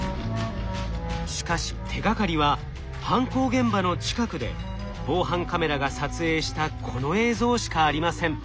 しかし手がかりは犯行現場の近くで防犯カメラが撮影したこの映像しかありません。